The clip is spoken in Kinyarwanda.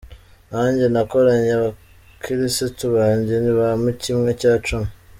Nanjye ntakoreye abakirisitu banjye ntibampa kimwe cya cumi.